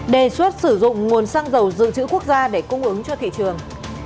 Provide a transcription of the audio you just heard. đề xuất sử dụng nguồn xăng dầu dự trữ quốc gia để cung ứng cho thị trường